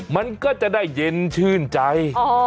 มันก็จะได้เย็นชื่นใจ